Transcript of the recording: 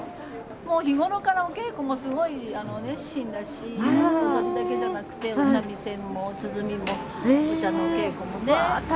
もう日頃からお稽古もすごい熱心だし踊りだけじゃなくて三味線も鼓もお茶のお稽古もね。